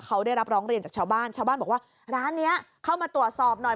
เขาได้รับร้องเรียนจากชาวบ้านชาวบ้านบอกว่าร้านนี้เข้ามาตรวจสอบหน่อย